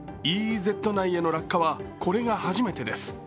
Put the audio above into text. ＥＥＺ内への落下はこれが初めてです。